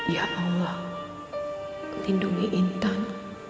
ya allah lindungi intan